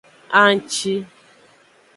Anngci.